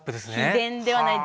秘伝ではない。